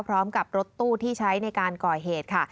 พร้อมกับรถตู้ที่ใช้ในการก่อเหตุค่ะ